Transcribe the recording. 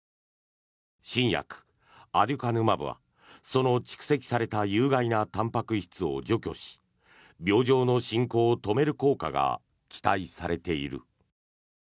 新薬アデュカヌマブはその蓄積された有害なたんぱく質を除去し病状の進行を止める効果が期待されている。